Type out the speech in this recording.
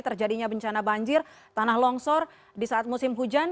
terjadinya bencana banjir tanah longsor di saat musim hujan